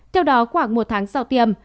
theo đó khoảng một tháng sau tiêm